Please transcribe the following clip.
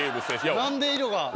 何で色が。